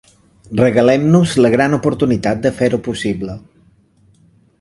Regalem-nos la gran oportunitat de fer-ho possible.